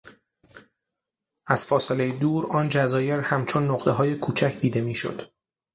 از فاصلهی دور آن جزایر همچون نقطههای کوچک دیده میشد.